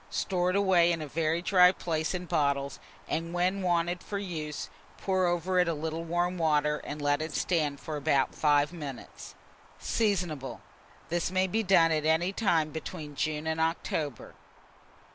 Store it away in a very dry place in bottles, and when wanted for use, pour over it a little warm water, and let it stand for about 5 minutes. Seasonable. This may be done at any time between June and October.